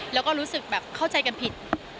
และก็รู้สึกเข้าใจกันผิด